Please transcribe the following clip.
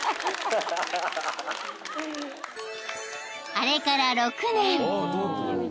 ［あれから６年］